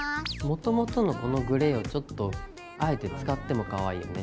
もともとのこのグレーはちょっとあえて使ってもかわいいよね。